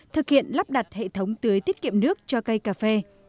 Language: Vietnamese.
thực hiện lắp đặt hệ thống tưới tiết kiệm nước cho cây cà phê